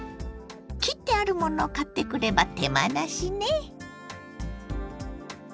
切ってあるものを買ってくれば手間なしね。